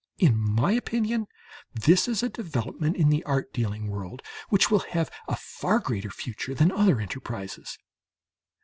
In my opinion this is a development in the art dealing world which will have a far greater future than other enterprises.